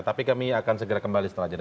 tapi kami akan segera kembali setelah jeda